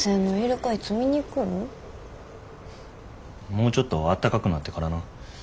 もうちょっとあったかくなってからな。